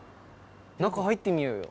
入ってみようよ。